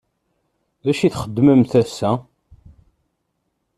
D acu i txedmemt ass-a?